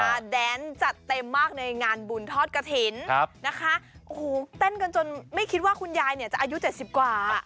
แดนจัดเต็มมากในงานบุญทอดกระถิ่นครับนะคะโอ้โหเต้นกันจนไม่คิดว่าคุณยายเนี่ยจะอายุเจ็ดสิบกว่า